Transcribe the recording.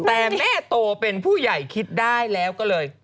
แต่แม่โตเป็นผู้ใหญ่คิดได้แล้วก็เลย